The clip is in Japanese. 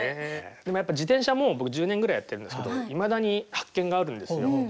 でもやっぱ自転車も僕１０年ぐらいやってるんですけどいまだに発見があるんですよ。